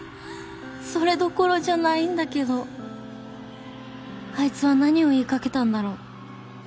それどころじゃないんだけどアイツは何を言いかけたんだろう。